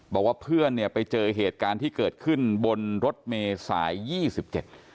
บอกว่าเพื่อนเนี่ยไปเจอเหตุการณ์ที่เกิดขึ้นบนรถเมย์สายยี่สิบเจ็ด